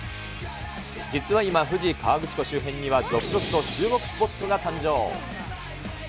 実は今、富士・河口湖周辺には続々と注目スポットが誕生。